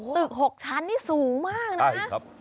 ตึก๖ชั้นนี่สูงมากนะครับ